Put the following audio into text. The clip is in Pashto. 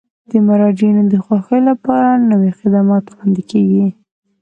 د مراجعینو د خوښۍ لپاره نوي خدمات وړاندې کیږي.